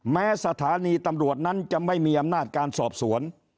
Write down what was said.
แม้สถานีตำรวจนั้นจะไม่มีอำนาจการสอบสวน